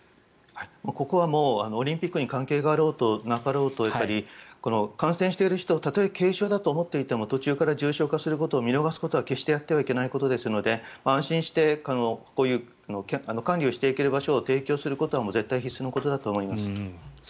ここはもうオリンピックに関係があろうとなかろうと感染している人たとえ軽症だと思っていても途中から重症化することを見逃すことは決してやってはいけないことですので安心して管理をしていける場所を提供することは絶対に必須のことだと思います。